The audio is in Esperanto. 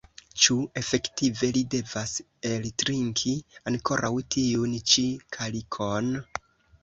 Ĉu efektive li devas eltrinki ankoraŭ tiun ĉi kalikon?